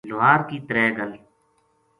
لوہار کی ترے گل